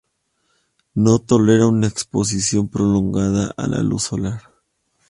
No tolera una exposición prolongada a la luz solar.